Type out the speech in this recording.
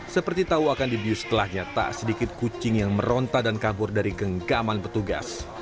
seperti tahu akan dibius setelahnya tak sedikit kucing yang meronta dan kabur dari genggaman petugas